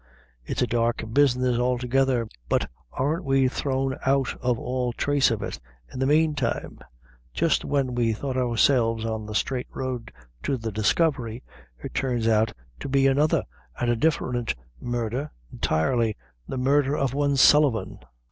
"It's a dark business altogether; but arn't we thrown out of all trace of it in the mane time? Jist when we thought ourselves on the straight road to the discovery, it turns out to be another an' a different murdher entirely the murdher of one Sullivan."